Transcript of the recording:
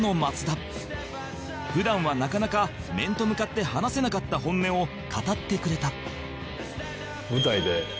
普段はなかなか面と向かって話せなかった本音を語ってくれた